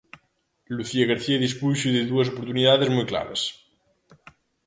Lucía García dispuxo de dúas oportunidades moi claras.